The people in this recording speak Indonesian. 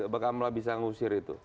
bakamlah bisa mengusir itu